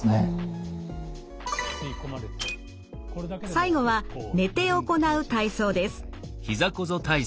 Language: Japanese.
最後は寝て行う体操です。